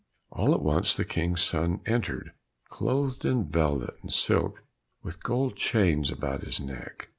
All at once the King's son entered, clothed in velvet and silk, with gold chains about his neck.